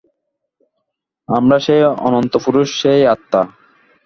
আমরা সেই অনন্ত পুরুষ, সেই আত্মা।